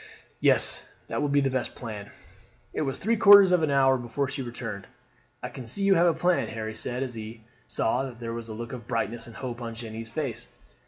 "Yes, that will be the best plan." It was three quarters of an hour before she returned. "I can see you have a plan," Harry said as he saw that there was a look of brightness and hope on Jeanne's face.